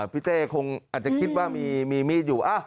พี่เต้คงอาจจะคิดว่ามีมีดอยู่